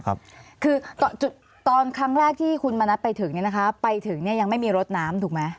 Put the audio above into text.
คือตอนครั้งแรกที่คุณมณัฐไปถึงเนี่ยนะคะไปถึงเนี่ยยังไม่มีรถน้ำถูกไหม